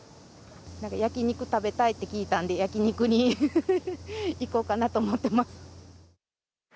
なんか、焼き肉食べたいって聞いたんで、焼き肉に行こうかなって思ってます。